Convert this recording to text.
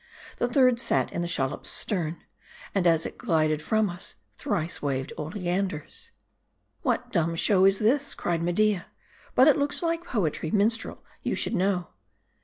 The third sat in the shallop's stern, and as it glided from us, thrice waved oleanders. '"What dumb show is this?" cried Media. "But.it looks like poetry : minstrel, you should know."